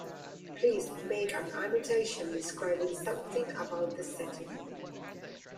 Please make an annotation describing something about the setting.